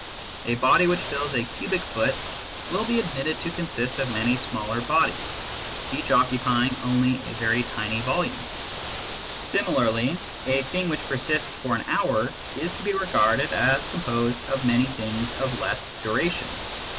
A body which fills a cubic foot will be admitted to consist of many smaller bodies, each occupying only a very tiny volume ; similarly a thing which persists for an hour is to be regarded as composed of many things of less duration.